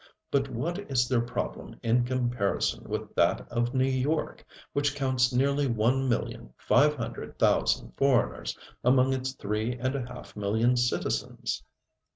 But what is their problem in comparison with that of New York, which counts nearly one million five hundred thousand foreigners among its three and a half million citizens?